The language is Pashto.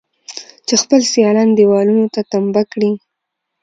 چې خپل سيالان دېوالونو ته تمبه کړي.